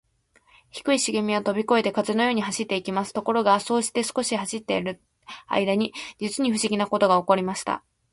低いしげみはとびこえて、風のように走っていきます。ところが、そうして少し走っているあいだに、じつにふしぎなことがおこりました。